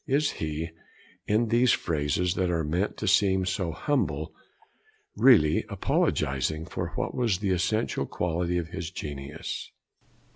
Is he, in these phrases that are meant to seem so humble, really apologising for what was the essential quality of his genius?